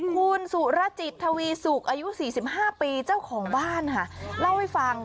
โคย์นสุรจิตธวีซุกอายุ๔๕ปีเจ้าของบ้านให้ฟัง